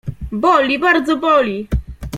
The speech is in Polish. Boli, bardzo boli!